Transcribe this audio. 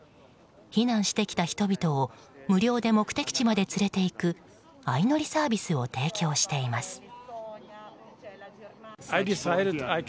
避難してきた人々を無料で目的地まで連れていく相乗りサービスを提供しています。